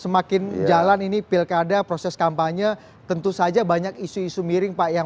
semakin jalan ini pilkada proses kampanye tentu saja banyak isu isu miring pak yang